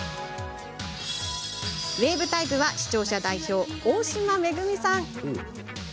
ウエーブタイプは視聴者代表、大島愛さん。